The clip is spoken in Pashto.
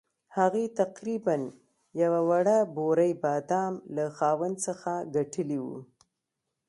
هغې تقریباً یوه وړه بورۍ بادام له خاوند څخه ګټلي وو.